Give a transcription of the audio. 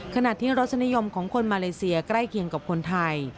ขณะที่รสนิยมของคนมาเลเซียใกล้เคียงกับคนไทย